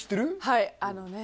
はいあのね